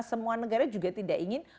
semua negara juga tidak ingin